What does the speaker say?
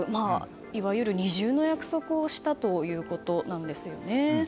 いわゆる二重の約束をしたということですね。